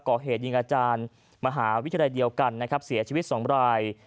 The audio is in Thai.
ก่อเหตุยิงอาจารย์มหาวิทยาลัยเดียวกันนะครับเสียชีวิต๒ราย